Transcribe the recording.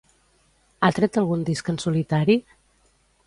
Ha tret algun disc en solitari?